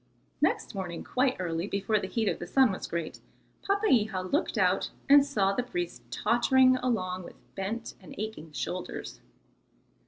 Next morning quite early, before the heat of the sun was great, Papeiha looked out and saw the priest tottering along with bent and aching shoulders.